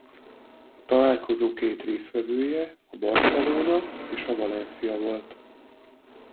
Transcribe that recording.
A találkozó két résztvevője a Barcelona és a Valencia volt.